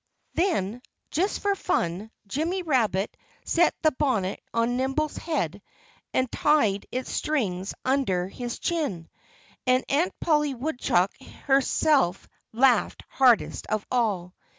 Then just for fun Jimmy Rabbit set the bonnet on Nimble's head and tied its strings under his chin. And Aunt Polly Woodchuck herself laughed hardest of all.